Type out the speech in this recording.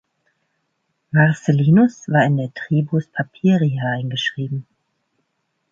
Marcellinus war in der Tribus "Papiria" eingeschrieben.